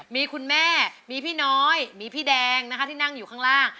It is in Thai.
มีคุณแม่มีพี่น้อยมีพี่แดงทำงานอยู่ข้างล่าง